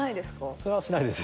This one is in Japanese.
それはしないです。